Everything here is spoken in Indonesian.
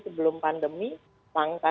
sebelum pandemi langka